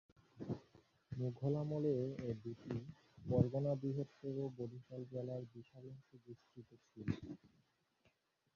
মুঘল আমলের এ-দুটি পরগনা বৃহত্তর বরিশাল জেলার বিশাল অংশে বিস্তৃত ছিল।